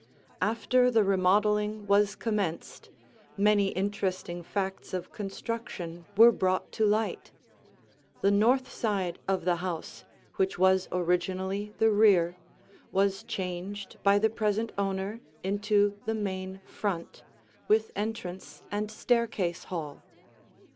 After the remodeling was commenced, many interesting facts of construction were brought to light. The north side of the house, which was originally the rear, was changed by the present owner into the main front, with entrance and staircase hall.